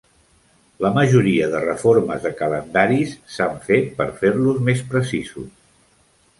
La majoria de reformes de calendaris s'han fet per fer-los més precisos.